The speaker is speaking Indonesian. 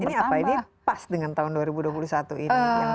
ini apa ini pas dengan tahun dua ribu dua puluh satu ini